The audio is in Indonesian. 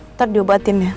nanti diobatin ya